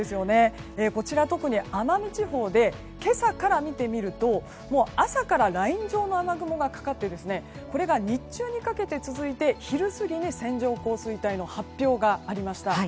こちら、特に奄美地方で今朝から見てみると朝からライン状の雨雲がかかってこれが日中にかけて続いて昼過ぎに、線状降水帯の発表がありました。